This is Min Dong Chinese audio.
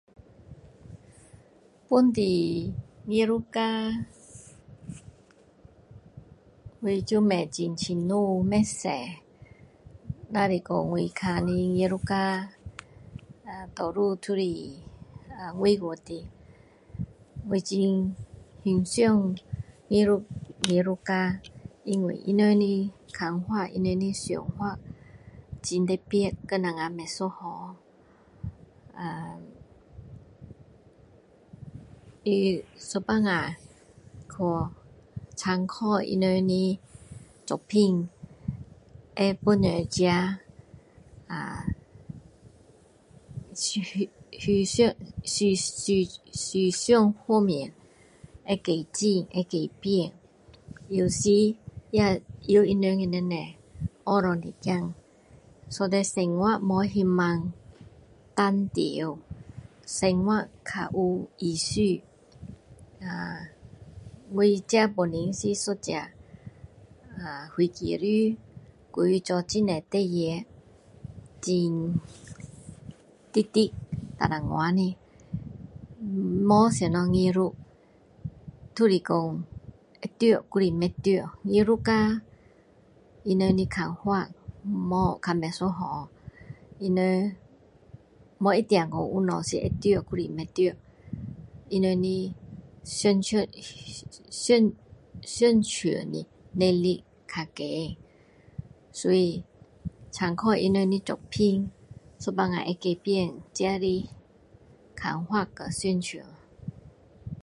本地艺术家我就不很清楚不多只是说我看的艺术家多数都是外国的我很欣赏艺术家因为他们的看法他们的想法很特别和我们不一样呃他有时去参考他们的作品会帮助自己啊去xu xu xu xu思想方面会改进会改变有时在他们那边会学到一点点so that生活没那么单调生活比较有意思啊我自己本身是一个啊会计师所以说做很多事情很直直倒转的没什么艺术就是说会对还是不对艺术家他们的看法没比较不一样他们不一定东西是会对还是不会对他们的想却想想象想像的能力较高所以参考他们的作品有时候会改变自己的想法和想像